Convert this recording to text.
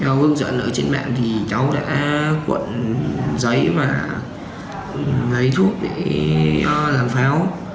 cháu hướng dẫn ở trên mạng thì cháu đã cuộn giấy và lấy thuốc để làm pháo